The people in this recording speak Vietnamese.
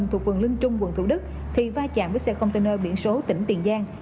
thuộc phường linh trung quận thủ đức thì va chạm với xe container biển số tỉnh tiền giang